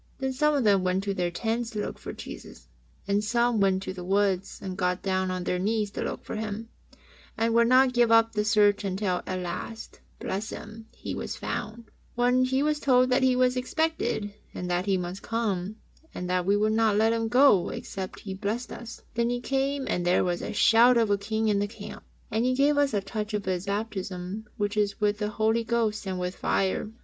Then some of them went to their tents to look for Jesus, and some went to the woods and got down on their knees to look for Him, and would not give up the search until at last, bless Him, He was found, and when He was told that He was expected and that He must come, and that we would not let Him go except He blessed us, then He came, and there was a shout of a King in the camp, and He gave us a touch of His baptism, which is with the Holy Ghost and with fire.